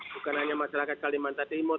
bukan hanya masyarakat kalimantan timur